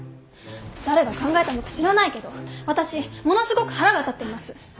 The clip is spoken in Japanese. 誰が考えたのか知らないけど私ものすごく腹が立ってます！